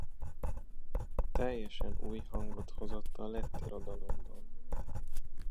Teljesen új hangot hozott a lett irodalomban.